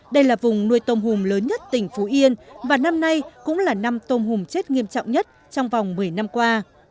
đây là vùng nuôi tôm hùm lớn nhất tỉnh phú yên và năm nay cũng là năm tôm hùm chết nghiêm trọng nhất trong vòng một mươi năm qua